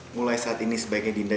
mulai saat ini sebaiknya dinda